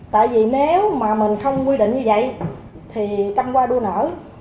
tại vì nếu mà mình không quy định như vậy thì trăm qua đua nở